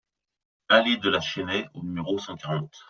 Allée de la Chênaie au numéro cent quarante